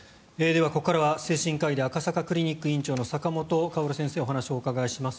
ではここからは精神科医で赤坂クリニック院長の坂元薫先生にお話をお伺いします。